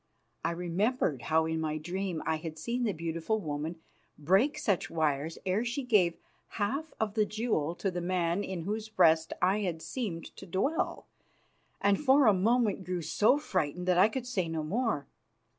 I remembered how in my dream I had seen the beautiful woman break such wires ere she gave half of the jewel to the man in whose breast I had seemed to dwell, and for a moment grew so frightened that I could say no more.